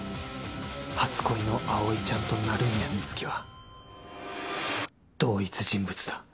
初恋の葵ちゃんと鳴宮美月は同一人物だ